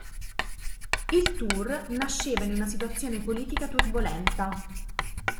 Il "tour" nasceva in una situazione politica turbolenta.